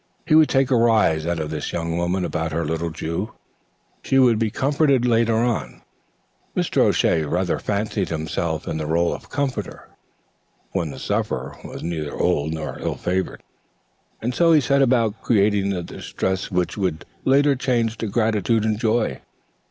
He would take a rise out of this young woman about her little Jew. She would be comforted later on. Mr. O'Shea rather fancied himself in the rôle of comforter, when the sufferer was neither old nor ill favored. And so he set about creating the distress which he would later change to gratitude and joy.